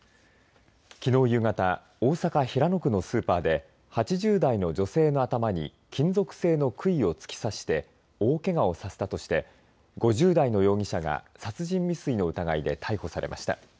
きのう夕方大阪・平野区のスーパーで８０代の女性の頭に金属製のくいを突き刺して大けがをさせたとして５０代の容疑者が殺人未遂の疑いで逮捕されました。